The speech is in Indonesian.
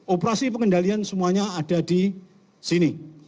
operasi pengendalian semuanya ada di sini